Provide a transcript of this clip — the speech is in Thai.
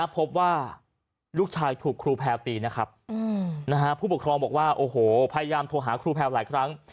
พบว่าลูกชายถูกครูแพลวตีนะครับผู้ปกครองบอกว่าโอ้โหพยายามโทรหาครูแพลวหลายครั้ง